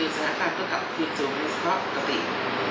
ถ้าหากว่าระดับน้ำระดับตลอดกันระบายน้ำจากเขื่อน